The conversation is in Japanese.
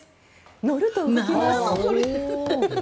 乗ると動きます。